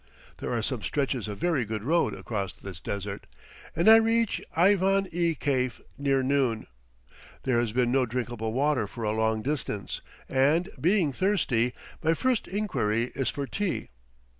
There are some stretches of very good road across this desert, and I reach Aivan i Kaif near noon. There has been no drinkable water for a long distance, and, being thirsty, my first inquiry is for tea.